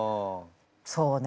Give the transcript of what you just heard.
そうね